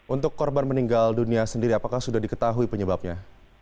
untuk korban meninggal dunia sendiri apakah sudah diketahui penyebabnya